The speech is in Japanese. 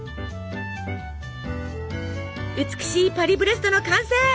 美しいパリブレストの完成！